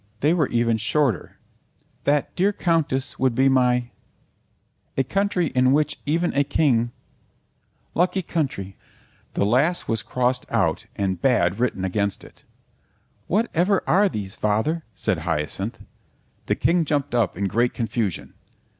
They were even shorter: "_That, dear Countess, would be my _" "_A country in which even a King _" "Lucky country!" The last was crossed out and "Bad" written against it. "Whatever are these, Father?" said Hyacinth. The King jumped up in great confusion.